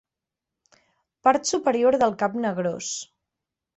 Part superior del cap negrós.